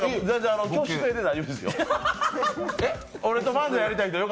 挙手制で大丈夫ですよ。